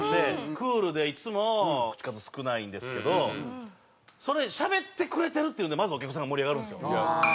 クールでいつも口数少ないんですけどそれしゃべってくれてるっていうのでまずお客さんが盛り上がるんですよ。